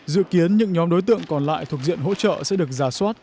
dự kiến những nhóm đối tượng còn lại thuộc diện hỗ trợ sẽ được giả soát